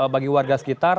bagi warga sekitar